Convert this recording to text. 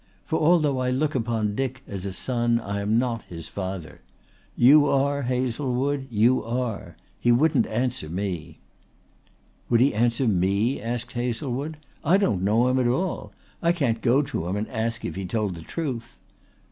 For although I look upon Dick as a son I am not his father. You are, Hazlewood, you are. He wouldn't answer me." "Would he answer me?" asked Hazlewood. "I don't know him at all. I can't go to him and ask if he told the truth."